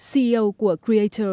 ceo của creator tin tưởng